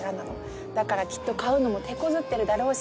だからきっと買うのもてこずってるだろうし